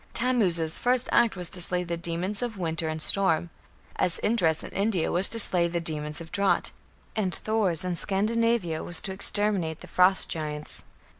Tammuz's first act was to slay the demons of winter and storm, as Indra's in India was to slay the demons of drought, and Thor's in Scandinavia was to exterminate the frost giants.